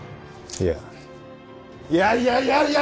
いやいやいやいや！